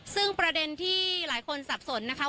ซึ่งประเด็นที่หลายคนสับสนนะคะ